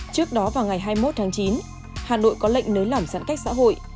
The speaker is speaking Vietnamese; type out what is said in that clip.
trước đó vào ngày hai mươi một tháng chín hà nội có lệnh nới lỏng giãn cách xã hội